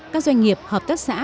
các doanh nghiệp hợp tác sản